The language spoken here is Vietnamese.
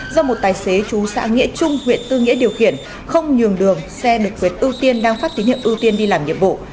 do một tài xế chú xã nghĩa trung huyện tư nghĩa điều khiển không nhường đường xe được quyệt ưu tiên đang phát tín hiệu ưu tiên đi làm nhiệm vụ